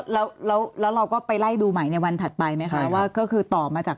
แล้วแล้วเราก็ไปไล่ดูใหม่ในวันถัดไปไหมคะว่าก็คือต่อมาจาก